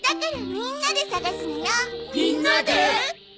みんなで！？